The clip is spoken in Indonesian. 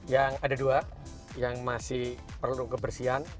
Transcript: yang ada dua yang masih perlu kebersihan